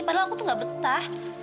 padahal aku tuh gak betah